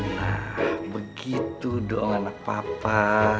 nah begitu doang anak papa